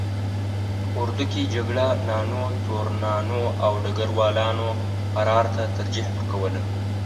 په اردو کې جګړه نانو، تورنانو او ډګر والانو فرار ته ترجیح ورکوله.